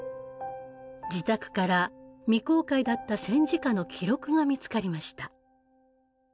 自宅から未公開だった戦時下の記録が見つかりました。